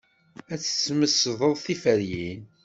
Ad tesmesdeḍ tiferyin.